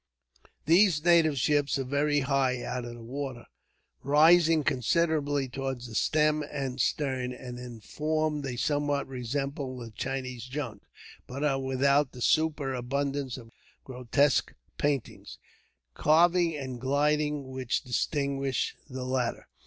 These native ships are very high out of water, rising considerably towards the stem and stern, and in form they somewhat resemble the Chinese junk; but are without the superabundance of grotesque painting, carving, and gilding which distinguish the latter.